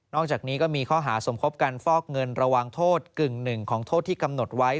อกจากนี้ก็มีข้อหาสมคบกันฟอกเงินระหว่างโทษกึ่งหนึ่งของโทษที่กำหนดไว้